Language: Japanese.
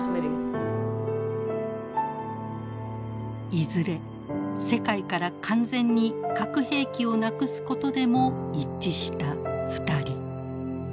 いずれ世界から完全に核兵器をなくすことでも一致した２人。